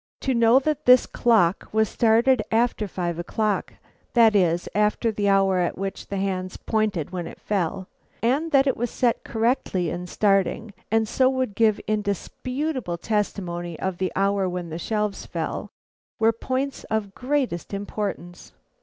To know that this clock was started after five o'clock, that is, after the hour at which the hands pointed when it fell, and that it was set correctly in starting, and so would give indisputable testimony of the hour when the shelves fell, were points of the greatest importance.